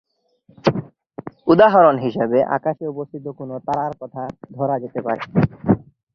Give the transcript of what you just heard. উদাহরণ হিসেবে আকাশে অবস্থিত কোনও তারার কথা ধরা যেতে পারে।